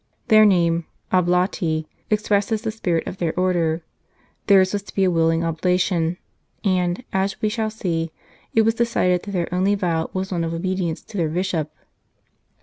Their name " Oblati " expresses the spirit of their Order ; theirs was to be a willing oblation, and, as we shall see, it was decided that their only vow was one of obedience to their Bishop.